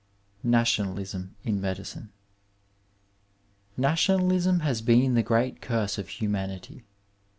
II. NATIONALISM IN MEDICINE Nationalism has been the great curse of humanity.